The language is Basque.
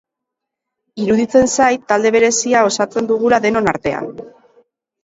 Iruditzen zait talde berezia osatzen dugula denon artean.